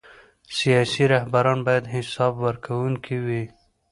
سیاسي رهبران باید حساب ورکوونکي وي